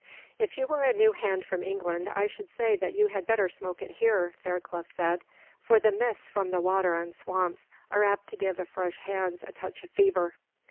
"If you were a new hand from England, I should say that you had better smoke it here," Fairclough said; "for the mists from the water and swamps are apt to give fresh hands a touch of fever."